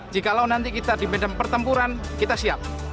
jikalau nanti kita di medan pertempuran kita siap